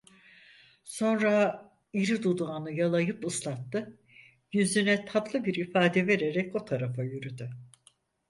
Sonra iri dudağını yalayıp ıslattı, yüzüne tatlı bir ifade vererek o tarafa yürüdü…